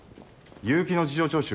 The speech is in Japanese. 結城の事情聴取